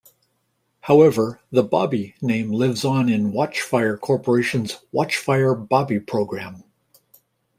However, the Bobby name lives on in Watchfire Corporation's Watchfire Bobby program.